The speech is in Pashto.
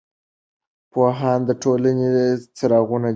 پوهان د ټولنې څراغونه دي.